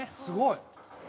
すごい！